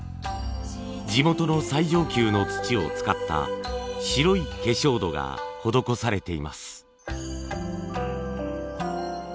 地元の最上級の土を使った白い化粧土が施されています。